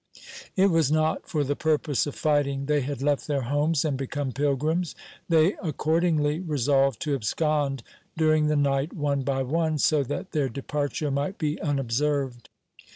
It was not for the purpose of fighting they had left their homes and become pilgrims. They accordingly resolved to abscond during the night one by one, so that their departure might be unobserved.